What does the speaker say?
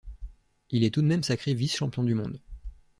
Il est tout de même sacré vice-champion du monde.